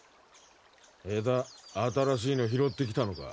枝新しいの拾ってきたのか？